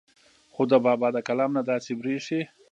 خو د بابا د کلام نه داسې بريښي